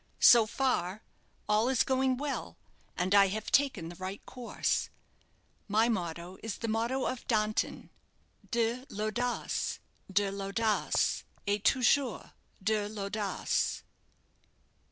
So far, all is going well, and I have taken the right course. My motto is the motto of Danton 'De l'audace, de l'audace, et toujours de l'audace.'"